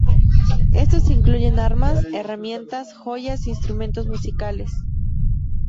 Estos incluyen armas, herramientas, joyas e instrumentos musicales.